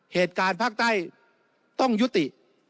เหตุการณ์ภาคใต้ต้องยุติ